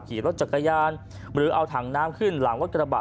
ขี่รถจักรยานหรือเอาถังน้ำขึ้นหลังรถกระบะ